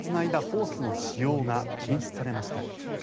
ホースの使用が禁止されました。